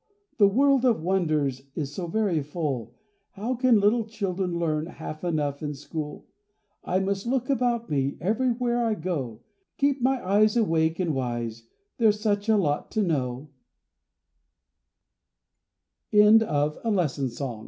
the world of wonders Is so very full, How can little children learn Half enough in school? I must look about me Everywhere I go, Keep my eyes awake and wise, There's such a